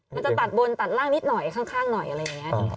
มันจะตัดบนตัดล่างนิดหน่อยข้างหน่อยอะไรอย่างนี้